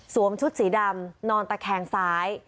ชุดสีดำนอนตะแคงซ้าย